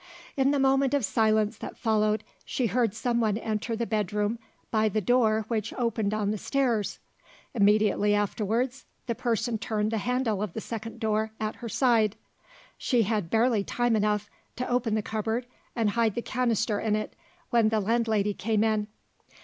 In the moment of silence that followed, she heard someone enter the bedroom by the door which opened on the stairs. Immediately afterwards, the person turned the handle of the second door at her side. She had barely time enough to open the cupboard, and hide the canister in it when the landlady came in.